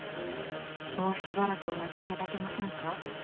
もうしばらくお待ちいただけませんか？